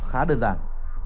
khá đơn giản